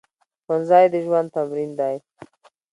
ښوونځی د ژوند تمرین دی